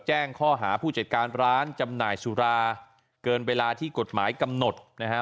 แจ้งข้อหาผู้จัดการร้านจำหน่ายสุราเกินเวลาที่กฎหมายกำหนดนะฮะ